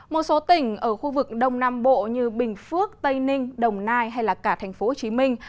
một số tỉnh ở khu vực đông nam bộ như bình phước tây ninh đồng nai hay cả thành phố hồ chí minh